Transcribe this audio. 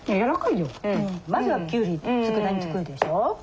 まずはきゅうりつくだ煮作るでしょ。